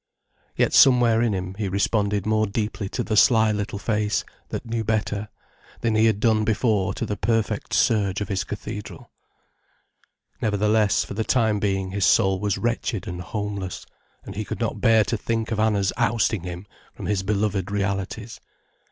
Yet somewhere in him he responded more deeply to the sly little face that knew better, than he had done before to the perfect surge of his cathedral. Nevertheless for the time being his soul was wretched and homeless, and he could not bear to think of Anna's ousting him from his beloved realities.